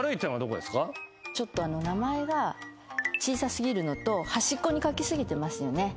ちょっと名前が小さすぎるのと端っこに書きすぎてますよね。